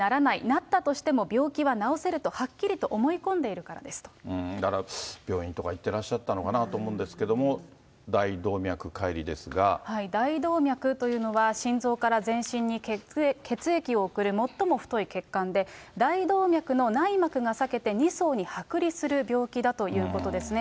なったとしても病気は治せるとはっきりと思い込んでいるからですだから、病院とか行ってらっしゃったのかなと思うんですけれども、大動脈大動脈というのは、心臓から全身に血液を送る最も太い血管で、大動脈の内膜が裂けて２層に剥離する病気だということですね。